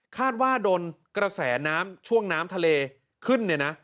คาดว่าโดนกระแสน้ำช่วงน้ำทะเลขึ้นเนี่ยนะ